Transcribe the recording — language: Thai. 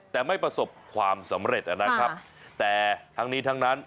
แต่ไม่ประสบความสำเร็จนะครับแต่ทั้งนี้ทั้งนั้น